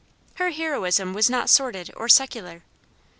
Her heroism was not sordid or secular.